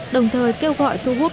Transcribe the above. đồng thời kêu gọi thu hút